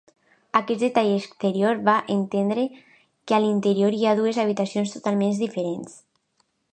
Aquest detall exterior fa entendre que a l'interior hi ha dues habitacions totalment diferents.